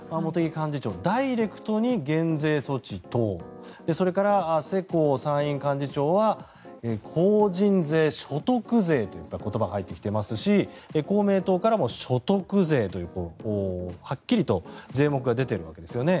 幹事長もダイレクトに減税措置等をそれから、世耕参院幹事長は法人税、所得税という言葉が入ってきていますし公明党からも所得税とはっきりと税目が出ているわけですね。